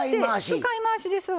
使い回しですわ。